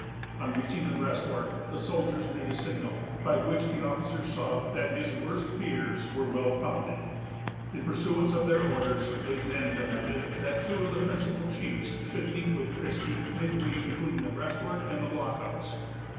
On reaching the breastwork, the soldiers made a signal, by which their officer saw that his worst fears were well founded. In pursuance of their orders, they then demanded that two of the principal chiefs should meet with Christie midway between the breastwork and the blockhouse.